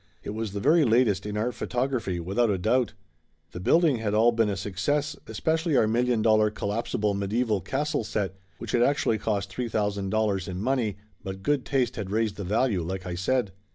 It was the very latest in art photography, without a doubt. The 230 Laughter Limited building had all been a success, especially our mil lion dollar collapsible medieval castle set, which had actually cost three thousand dollars in money but good taste had raised the value like I said.